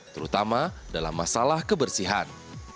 terutama dalam masalah kebersihan